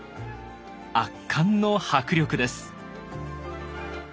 圧巻の迫力です。